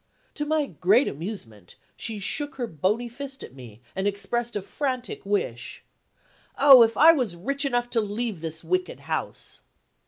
To my great amusement, she shook her bony fist at me, and expressed a frantic wish: "Oh, if I was rich enough to leave this wicked house!"